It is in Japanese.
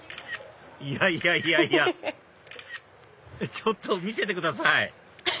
いやいやいやいやちょっと見せてくださいハハハ！